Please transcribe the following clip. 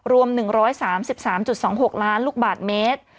รวม๑๓๓๒๖ล้านลูกบาทเมตร